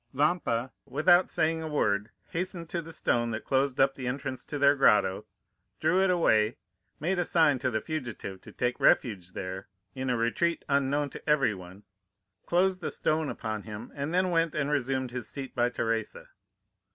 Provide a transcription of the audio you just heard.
Vampa, without saying a word, hastened to the stone that closed up the entrance to their grotto, drew it away, made a sign to the fugitive to take refuge there, in a retreat unknown to everyone, closed the stone upon him, and then went and resumed his seat by Teresa.